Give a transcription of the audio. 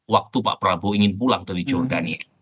waktu pak prabowo ingin pulang dari jordania